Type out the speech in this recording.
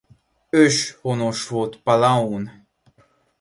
Őshonos volt Palaun.